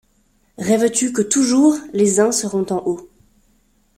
Rêves-tu que toujours les uns seront en haut